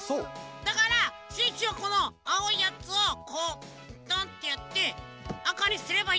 だからシュッシュはこのあおいやつをこうトンッてやってあかにすればいいってことね。